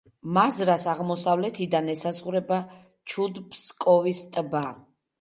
მაზრას აღმოსავლეთიდან ესაზღვრება ჩუდ-ფსკოვის ტბა.